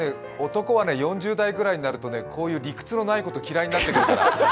男は４０代ぐらいになるとこういう理屈のないこと嫌いになってくるから。